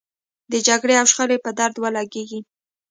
د جګړې او شخړې په درد ولګېږي.